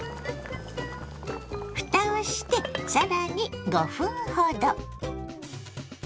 ふたをして更に５分ほど。